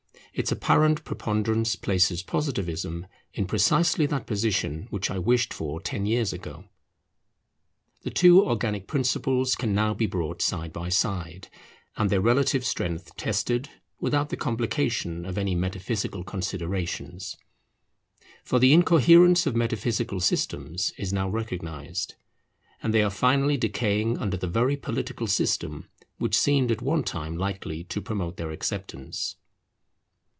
Its apparent preponderance places Positivism in precisely that position which I wished for ten years ago. The two organic principles can now be brought side by side, and their relative strength tested, without the complication of any metaphysical considerations. For the incoherence of metaphysical systems is now recognized, and they are finally decaying under the very political system which seemed at one time likely to promote their acceptance.